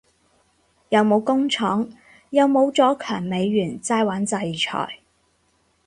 又冇工廠又冇咗強美元齋玩制裁